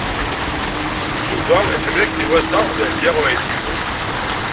Yuba iḥemmel akken iwata Dehbiya u Ɛisiw.